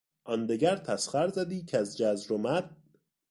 آن دگر تسخر زدی کز جزر و مد...